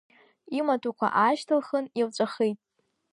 Имаҭәақәа аашьҭылхын илҵәахит.